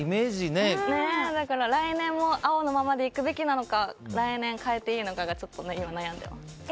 来年も青のままでいくべきなのか来年、変えていいのかちょっと悩んでます。